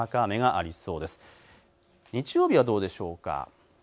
日曜日はどうでしょうか。